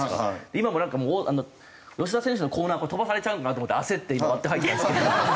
今もなんかもう吉田選手のコーナーこれ飛ばされちゃうのかなと思って焦って今割って入ったんですけど。